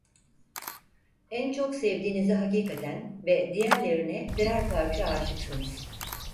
En çok sevdiğinize hakikaten ve diğerlerine birer parça âşıksınız!